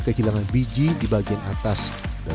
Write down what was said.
kehilangan biji di bagian atas dan